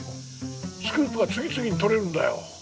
スクープが次々に撮れるんだよ。